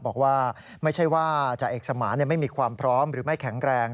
บอกว่าไม่ใช่ว่าจ่าเอกสมานไม่มีความพร้อมหรือไม่แข็งแรง